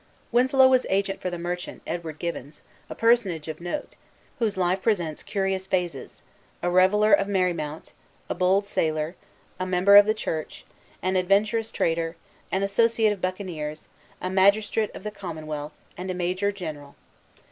Winslow was agent for the merchant, Edward Gibbons, a personage of note, whose life presents curious phases, a reveller of Merry Mount, a bold sailor, a member of the church, an adventurous trader, an associate of buccaneers, a magistrate of the commonwealth, and a major general.